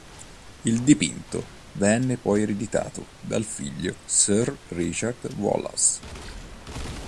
Il dipinto venne poi ereditato dal figlio Sir Richard Wallace.